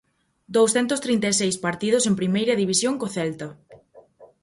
Douscentos trinta e seis partidos en Primeira División co Celta.